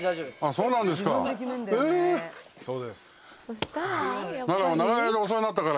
そうなんですか。